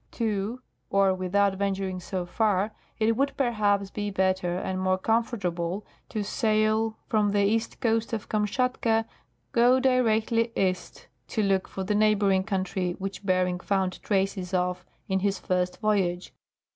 2. Or, without venturing so far, it would perhaps be better and more comfortable ,to sail from the east coast of Kamschatka, go directly east, to look for the neighboring country which Bering found traces of in his first voyage.